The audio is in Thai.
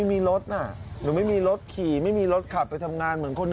นี่หนูไม่มีรถนะ